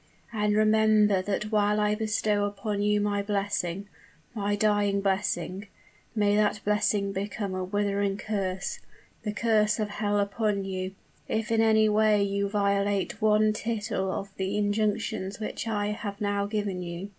And remember that while I bestow upon you my blessing my dying blessing may that blessing become a withering curse the curse of hell upon you if in any way you violate one tittle of the injunctions which I have now given you."